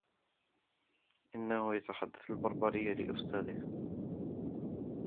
إنهُ يتحدث البربرية لإُستاذه.